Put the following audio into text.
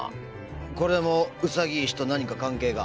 これもウサギ石と何か関係が？